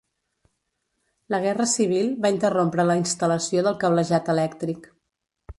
La Guerra Civil va interrompre la instal·lació del cablejat elèctric.